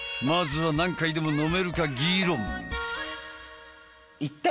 まずは何回でも飲めるか議論。